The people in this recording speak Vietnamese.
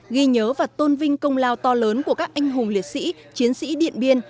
ghi nhớ và tôn vinh công lao to lớn của các anh hùng liệt sĩ chiến sĩ điện biên